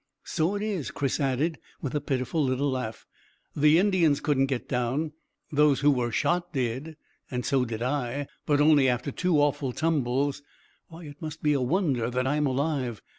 "So it is," Chris added, with a pitiful little laugh, "The Indians couldn't get down those who were shot did. And so did I; but only after two awful tumbles. Why, it must be a wonder that I am alive.